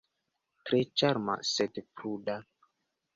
Tre ĉarma, sed pruda.